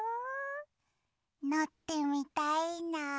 のってみたいな！